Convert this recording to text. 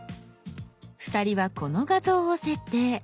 ２人はこの画像を設定。